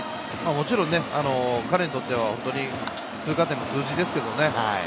もちろん彼にとっては通過点の数字ですけれどね。